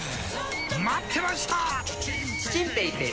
待ってました！